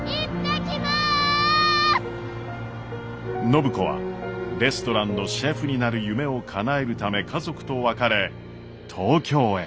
暢子はレストランのシェフになる夢をかなえるため家族と別れ東京へ。